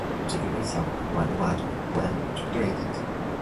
They curl slightly upwards when dried.